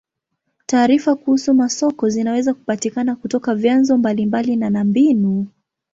Taarifa kuhusu masoko zinaweza kupatikana kutoka vyanzo mbalimbali na na mbinu.